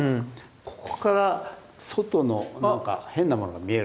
ここから外の何か変なものが見える。